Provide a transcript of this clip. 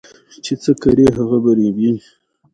زغال د افغانستان په اوږده تاریخ کې ذکر شوی دی.